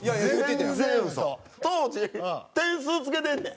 当時点数付けてんねん。